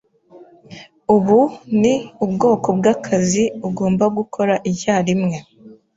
Ubu ni ubwoko bw'akazi ugomba gukora icyarimwe.